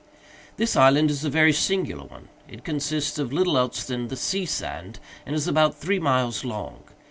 This Island is a very singular one. It consists of little else than the sea sand, and is about three miles long.